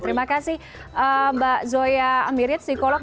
terima kasih mbak zoya amirit psikolog